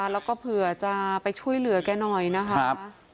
แล้วก็เผื่อจะไปช่วยเหลือแกหน่อยนะคะ